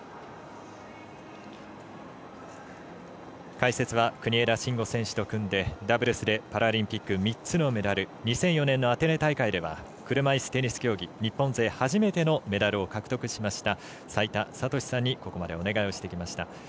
解説は国枝慎吾選手と組んでダブルスでパラリンピック３つのメダル２００４年のアテネ大会では車いすテニス競技日本勢初めてのメダルを獲得しました齋田悟司さんにここまでお願いをしてきました。